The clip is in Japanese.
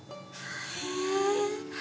へえ！